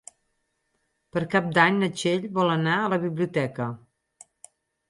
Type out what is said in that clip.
Per Cap d'Any na Txell vol anar a la biblioteca.